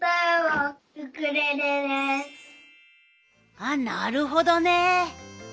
ああなるほどね！